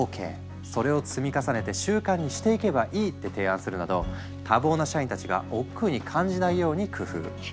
それを積み重ねて習慣にしていけばいい」って提案するなど多忙な社員たちがおっくうに感じないように工夫。